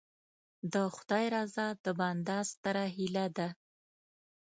د خدای رضا د بنده ستره هیله ده.